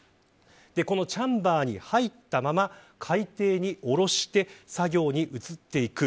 このチャンバーに入ったまま海底に下ろして作業に移っていく。